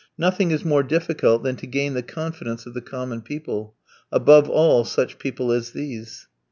Nothing is more difficult than to gain the confidence of the common people; above all, such people as these!